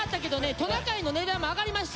トナカイの値段も上がりましてん。